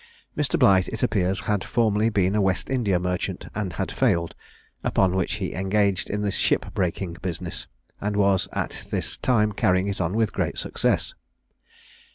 Mr. Blight, it appears, had formerly been a West India merchant, and had failed; upon which he engaged in the ship breaking business, and was at this time carrying it on with great success.